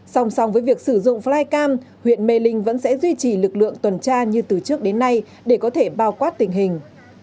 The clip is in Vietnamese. song song với việc sử dụng flycam huyện mê linh vẫn sẽ duy trì lực lượng tuần tra như từ trước đến nay để có thể bao quát tình hình